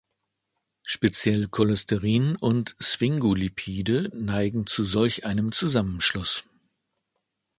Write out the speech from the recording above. Speziell Cholesterin und Sphingolipide neigen zu solch einem Zusammenschluss.